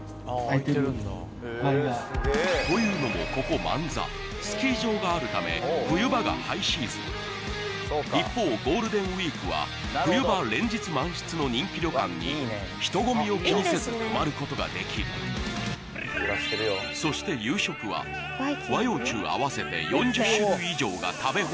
というのもここ万座スキー場があるため冬場がハイシーズン一方ゴールデンウイークは冬場連日満室の人気旅館に人混みを気にせず泊まることができるそして楽しい。